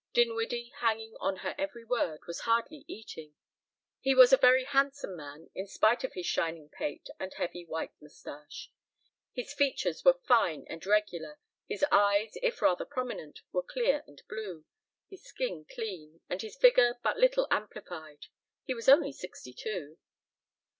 Dinwiddie, hanging on her every word, was hardly eating. He was a very handsome man, in spite of his shining pate and heavy white moustache. His features were fine and regular, his eyes, if rather prominent, were clear and blue, his skin clean, and his figure but little amplified. He was only sixty two.